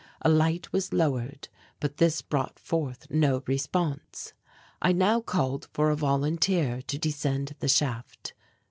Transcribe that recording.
A light was lowered, but this brought forth no response. I now called for a volunteer to descend the shaft.